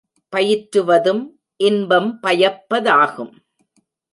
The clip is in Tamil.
பயிற்றுவதும் இன்பம் பயப்பதாகும்.